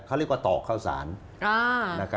เขาเรียกว่าตอกข้าวสาร